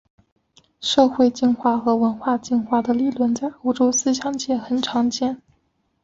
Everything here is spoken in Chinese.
社会进化和文化进化的理论在欧洲思想界很常见。